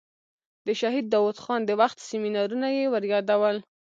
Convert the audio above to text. د شهید داود خان د وخت سیمینارونه یې وریادول.